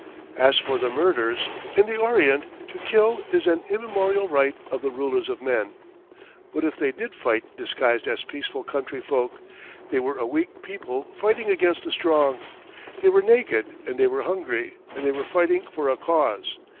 As for the murders in the Orient to kill is an immemorial right of the rulers of men. What if they did fight disguised as peaceful country folk? They were a weak people fighting against a strong. They were naked and they were hungry, and they were fighting for a cause.